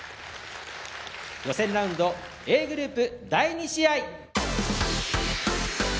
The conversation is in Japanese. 予選ラウンドＡグループ第２試合。